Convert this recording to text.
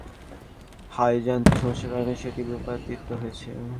তবে রাষ্ট্রীয় গণমাধ্যমের খবরে বলা হয়, যান্ত্রিক সমস্যার কারণেই সেটি ভূপাতিত হয়েছে।